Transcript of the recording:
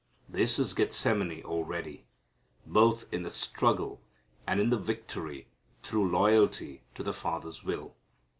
'" This is Gethsemane already, both in the struggle and in the victory through loyalty to the Father's will.